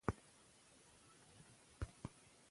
پېغلې او مېرمنې په جګړه کې برخه اخلي.